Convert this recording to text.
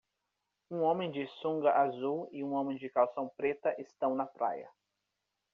Um homem de sunga azul e um homem de calção preta estão na praia.